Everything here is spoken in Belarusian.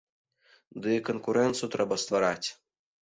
Ды і канкурэнцыю трэба ствараць!